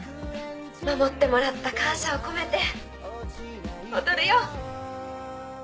守ってもらった感謝を込めて踊るよ！